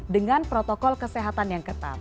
dengan protokol kesehatan yang ketat